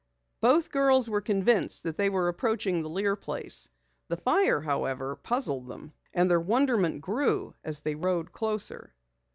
Both girls were convinced that they were approaching the Lear place. The fire, however, puzzled them. And their wonderment grew as they rode closer.